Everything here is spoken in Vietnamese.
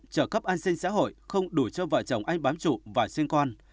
trợ cấp an sinh xã hội không đủ cho vợ chồng anh bám trụ và sinh con